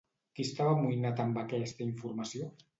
Qui estava amoïnat amb aquesta informació?